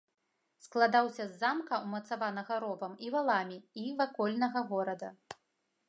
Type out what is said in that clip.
Складаўся з замка, умацаванага ровам і валамі, і вакольнага горада.